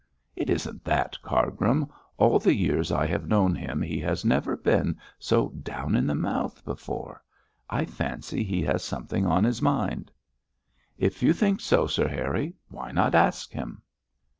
'It isn't that, Cargrim; all the years I have known him he has never been so down in the mouth before. I fancy he has something on his mind.' 'If you think so, Sir Harry, why not ask him?'